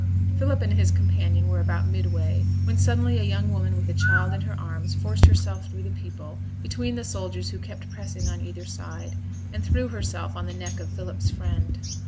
Philip and his companion were about midway, when suddenly a young woman with a child in her arms forced herself through the people, between the soldiers who kept pressing on either side, and threw herself on the neck of Philip's friend.